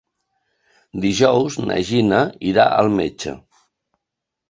Dijous na Gina irà al metge.